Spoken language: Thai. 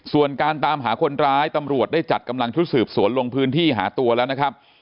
ส่วนการตามหาคนร้ายตำรวจได้จัดกำลังชุดสืบสวนลงพื้นที่หาตัวแล้วนะครับ